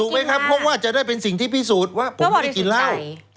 ไหมครับเพราะว่าจะได้เป็นสิ่งที่พิสูจน์ว่าผมไม่ได้กินเหล้า